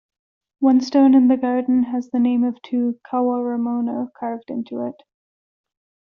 One stone in the garden has the name of two "kawaramono" carved into it.